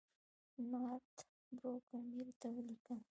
نارت بروک امیر ته ولیکل.